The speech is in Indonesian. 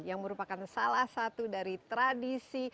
yang merupakan salah satu dari tradisi